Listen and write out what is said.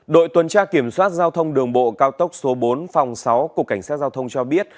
đội tuần tra kiểm soát giao thông đường bộ cao tốc số bốn phòng sáu cục cảnh sát giao thông cho biết